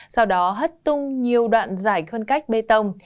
sau đó hất tung nhiều đoạn dải khuân cách bê tông